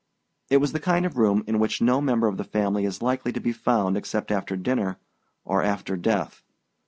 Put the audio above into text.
It was the kind of room in which no member of the family is likely to be found except after dinner or after death.